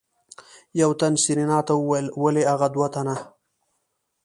يو تن سېرېنا ته وويل ولې اغه دوه تنه.